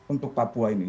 untuk papua ini